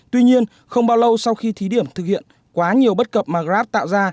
tuy nhiên không bao lâu sau khi thí điểm thực hiện quá nhiều bất cập mà grab tạo ra